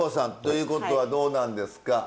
ということはどうなんですか？